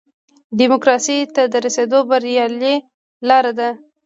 ډیموکراسۍ ته د رسېدو بریالۍ لاره ده.